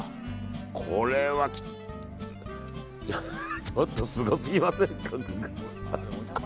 これはちょっとすごすぎません？